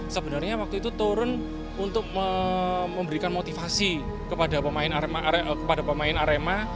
sebenarnya waktu itu turun untuk memberikan motivasi kepada pemain arema